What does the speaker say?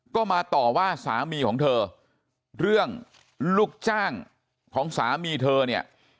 ก็มาต่อว่าสามีของเธอเรื่องลูกจ้างของสามีเธอเนี่ย